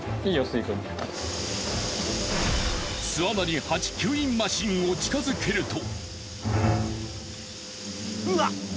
巣穴にハチ吸引マシンを近づけると。